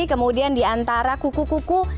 kemudian di antara kuku kuku